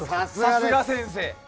さすが、先生。